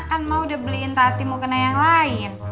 kan mau udah beliin tak hati mau kena yang lain